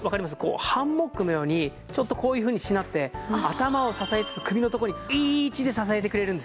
ハンモックのようにちょっとこういうふうにしなって頭を支えつつ首の所にいい位置で支えてくれるんです。